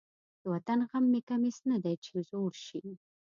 د وطن غم مې کمیس نه دی چې زوړ شي.